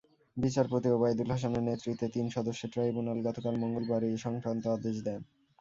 বিচারপতি ওবায়দুল হাসানের নেতৃত্বে তিন সদস্যের ট্রাইব্যুনাল গতকাল মঙ্গলবার এ-সংক্রান্ত আদেশ দেন।